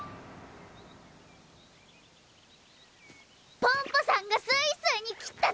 ポンポさんがスイスにきったぞ！